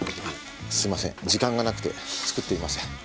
すいません時間がなくて作っていません。